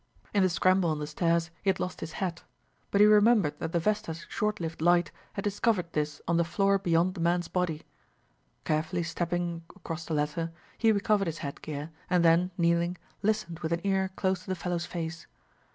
In the scramble on the stairs he had lost his hat, but he remembered that the vesta's short lived light had discovered this on the floor beyond the man's body. Carefully stepping across the latter he recovered his head gear, and then, kneeling, listened with an ear close to the fellow's face.